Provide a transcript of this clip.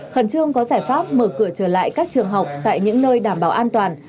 khẩn trương có giải pháp mở cửa trở lại các trường học tại những nơi đảm bảo an toàn